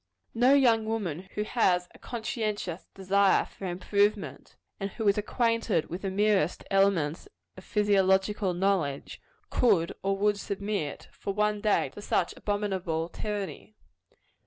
No young woman who has a conscientious desire for improvement, and who is acquainted with the merest elements of physiological knowledge, could or would submit, for one day, to such abominable tyranny.